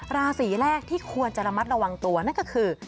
ราศีแรกที่ควรจะระมัดระวังตัวนั่นก็คือ